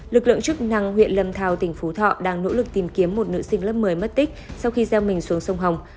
lực lượng chức năng huyện lâm thao tỉnh phú thọ đang nỗ lực tìm kiếm một nữ sinh lớp một mươi mất tích sau khi gieo mình xuống sông hồng